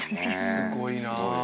すごいなぁ。